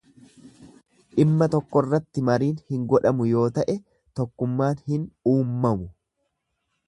Dhimma tokkorratti mariin hin godhamu yoo ta'e tokkummaan hin uummamu.